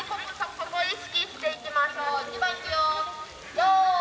そこ意識していきましょう。